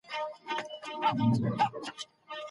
د تجريبو په پراختیا کې د علم د استفادې برخي ته اړتیا لري.